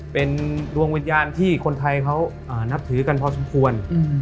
เป็นดวงวิญญาณที่คนไทยเขานับถือกันพอสมควร